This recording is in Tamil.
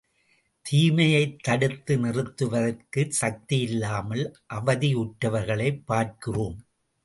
தீமையைத் தடுத்து நிறுத்துவதற்குச் சக்தியில்லாமல் அவதியுற்றவர்களைப் பார்க்கிறோம்.